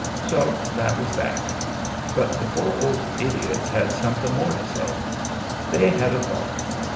So that was that. But the poor old idiots had somethin' more to say. They had a thought.